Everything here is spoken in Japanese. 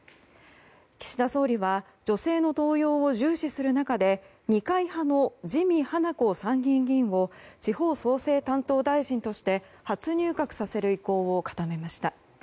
岸田総理は女性の登用を重視する中で二階派の自見はなこ参議院議員を地方創生担当大臣として初入閣させる意向を固めました。